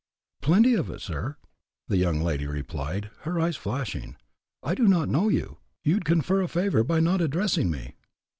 "Plenty of it, sir," the young lady replied, her eyes flashing. "I do not know you; you'd confer a favor by not addressing me."